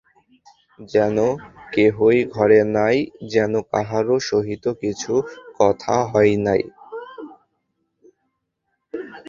যেন কেহই ঘরে নাই, যেন কাহারও সহিত কিছু কথা হয় নাই।